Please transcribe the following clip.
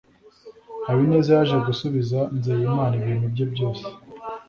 Habineza yaje gusubiza Nzeyimana ibintu bye byose